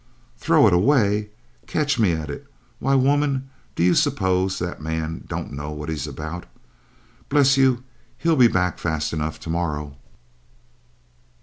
"Throw it away? Catch me at it! Why woman, do you suppose that man don't know what he is about? Bless you, he'll be back fast enough to morrow."